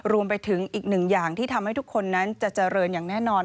รวมไปถึงอีกหนึ่งอย่างที่ทำให้ทุกคนนั้นจะเจริญอย่างแน่นอน